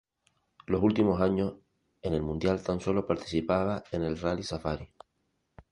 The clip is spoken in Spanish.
Los últimos años en el mundial tan solo participaba en el Rally Safari.